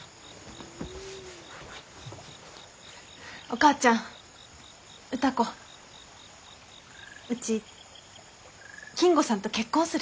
お母ちゃん歌子うち金吾さんと結婚する。